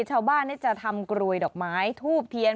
ชาวบ้านจะทำกรวยดอกไม้ทูบเทียน